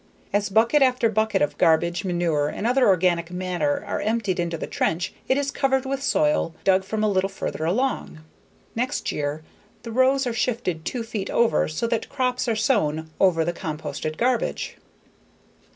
As bucket after bucket of garbage, manure, and other organic matter are emptied into the trench, it is covered with soil dug from a little further along. Next year, the rows are shifted two feet over so that crops are sown above the composted garbage.